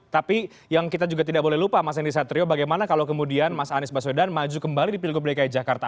tapi yang kita juga tidak boleh lupa mas henry satrio bagaimana kalau kemudian mas anies baswedan maju kembali di pilgub dki jakarta